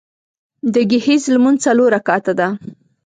د ګهیځ لمونځ څلور رکعته ده